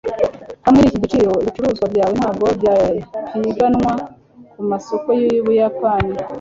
Hamwe niki giciro ibicuruzwa byawe ntabwo byapiganwa kumasoko yUbuyapani